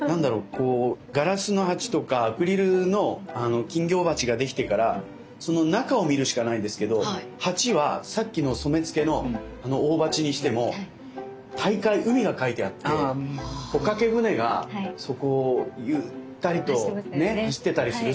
ガラスの鉢とかアクリルの金魚鉢ができてからその中を見るしかないんですけど鉢はさっきの染付の大鉢にしても大海海が描いてあって帆掛け船がそこをゆったりと走ってたりする。